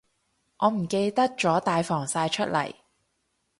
我唔記得咗帶防曬出嚟